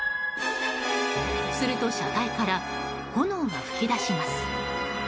すると車体から炎が噴き出します。